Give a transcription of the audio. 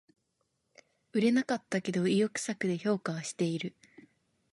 売れなかったけど意欲作で評価はしてる